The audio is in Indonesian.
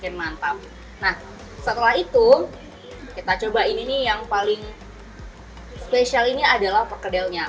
nah setelah itu kita coba ini nih yang paling spesial ini adalah perkedelnya